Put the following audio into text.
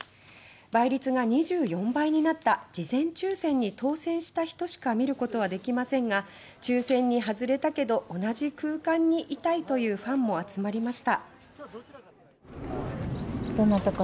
倍率が２４倍になった事前抽選に当選した人しか見ることはできませんが抽選に外れたけど同じ空間にいたいというファンも集まりました。